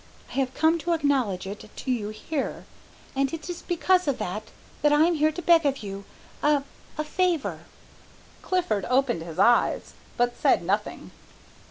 I have come to acknowledge it to you here, and it is because of that that I am here to beg of you a a favour." Clifford opened his eyes, but said nothing.